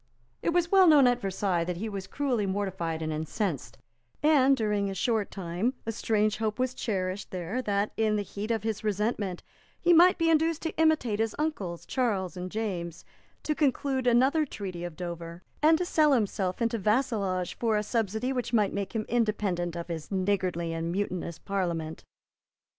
It was well known at Versailles that he was cruelly mortified and incensed; and, during a short time, a strange hope was cherished there that, in the heat of his resentment, he might be induced to imitate his uncles, Charles and James, to conclude another treaty of Dover, and to sell himself into vassalage for a subsidy which might make him independent of his niggardly and mutinous Parliament.